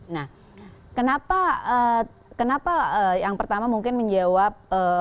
nah kenapa yang pertama mungkin menjawab